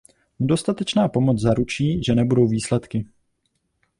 Nedostatečná pomoc zaručí, že nebudou výsledky.